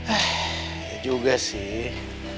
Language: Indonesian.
eh ya juga sih